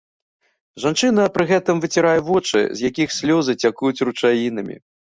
Жанчына пры гэтым выцірае вочы, з якіх слёзы цякуць ручаінамі.